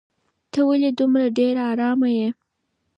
ته ولې دومره ډېره ارامه یې؟